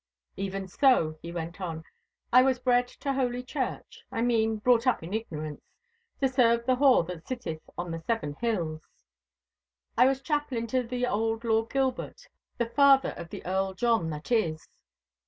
'Even so,' he went on, 'I was bred to Holy Church—I mean brought up in ignorance, to serve the Whore that sitteth on the Seven Hills. I was chaplain to the old Lord Gilbert, the father of the Earl John that is.